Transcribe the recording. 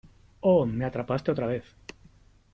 ¡ Oh ! Me atrapaste otra vez .